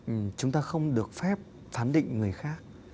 chính vì thế cho nên là chúng ta không được phép phán định người khác